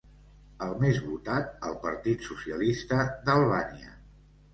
El més votat el Partit Socialista d'Albània.